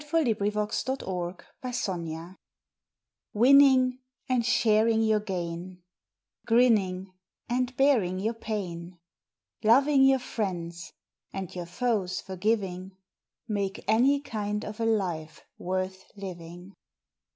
August Sixth WORTH WHILE "\\7INNING, and sharing your gain; Grinning, and bearing your pain; Loving your friends and your foes forgiving Make any kind of a life worth living.